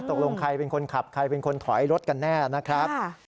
ตกลงใครเป็นคนขับใครเป็นคนถอยรถกันแน่นะครับ